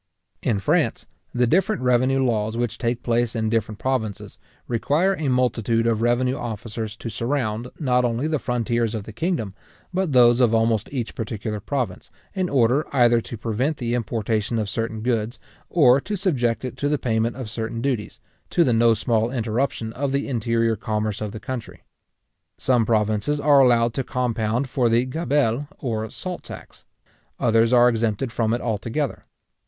In France, the different revenue laws which take place in the different provinces, require a multitude of revenue officers to surround, not only the frontiers of the kingdom, but those of almost each particular province, in order either to prevent the importation of certain goods, or to subject it to the payment of certain duties, to the no small interruption of the interior commerce of the country. Some provinces are allowed to compound for the gabelle, or salt tax; others are exempted from it altogether.